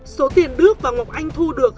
số tiền đức và ngọc anh thu được